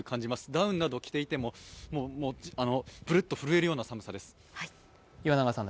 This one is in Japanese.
ダウンなどを着ていてもぶるっと震えるような寒さです。